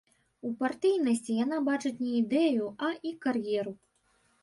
У партыйнасці яна бачыць не ідэю, а і кар'еру.